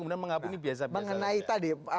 kemudian mengabungi biasa biasa mengenai tadi